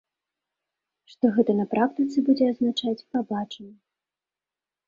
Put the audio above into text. Што гэта на практыцы будзе азначаць, пабачым.